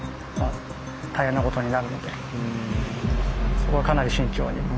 そこはかなり慎重に。